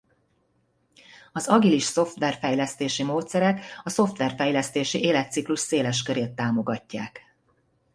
Az agilis szoftverfejlesztési módszerek a szoftverfejlesztési életciklus széles körét támogatják.